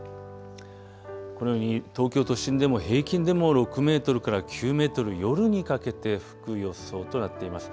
このように東京都心でも平均でも６メートルから９メートル、夜にかけて吹く予想となっています。